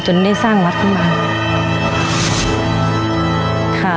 ได้สร้างวัดขึ้นมา